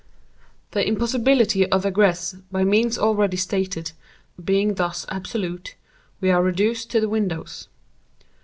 The impossibility of egress, by means already stated, being thus absolute, we are reduced to the windows.